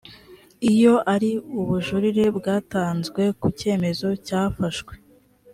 iyo ari ubujurire bwatanzwe ku cyemezo cyafashwe